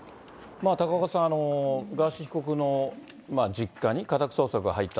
高岡さん、ガーシー被告の実家に家宅捜索が入った。